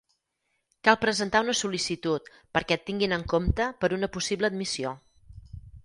Cal presentar una sol·licitud perquè et tinguin en compte per una possible admissió.